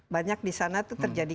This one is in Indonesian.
banyak di sana terjadi